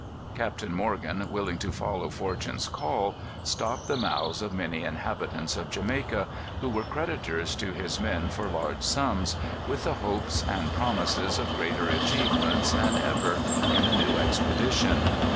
"Captain Morgan, willing to follow fortune's call, stopped the mouths of many inhabitants of Jamaica, who were creditors to his men for large sums, with the hopes and promises of greater achievements than ever, in a new expedition.